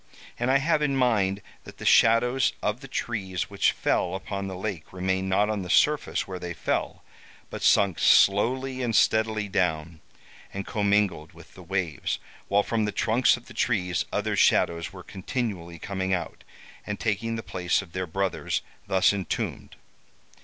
And I have in mind that the shadows of the trees which fell upon the lake remained not on the surface where they fell, but sunk slowly and steadily down, and commingled with the waves, while from the trunks of the trees other shadows were continually coming out, and taking the place of their brothers thus entombed.